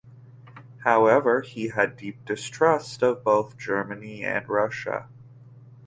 However he had deep distrust of both Germany and Russia.